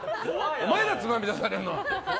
お前だ、つまみ出されるのは！